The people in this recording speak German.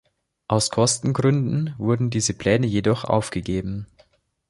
Aus Kostengründen wurden diese Pläne jedoch aufgegeben.